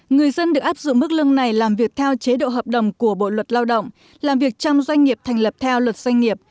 người dân được áp dụng mức lương này làm việc theo chế độ hợp đồng của bộ luật lao động làm việc trong doanh nghiệp thành lập theo luật doanh nghiệp